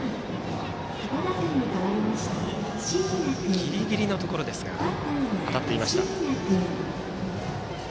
ギリギリのところですが当たっていました。